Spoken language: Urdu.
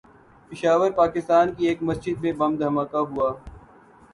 پشاور، پاکستان کی ایک مسجد میں بم دھماکہ ہوا